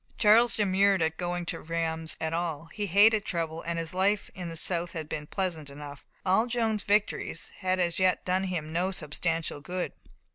Charles demurred at going to Reims at all. He hated trouble, and his life in the south had been pleasant enough. All Joan's victories had as yet done him no substantial good.